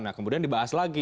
nah kemudian dibahas lagi